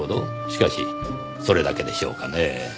しかしそれだけでしょうかねぇ。